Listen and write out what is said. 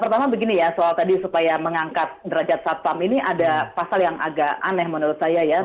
pertama begini ya soal tadi supaya mengangkat derajat satpam ini ada pasal yang agak aneh menurut saya ya